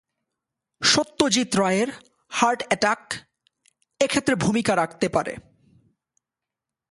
সত্যজিৎ রায়ের heart attack এ ক্ষেত্রে ভূমিকা রাখতে পারে।